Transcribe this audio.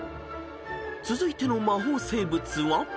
［続いての魔法生物は］